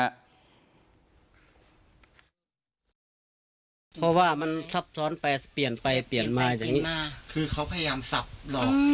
เพราะว่ามันทรัพย์ช้อนไปเปลี่ยนไปเปลี่ยนมาอย่างงี้